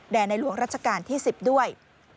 ในหลวงรัชกาลที่๑๐ด้วย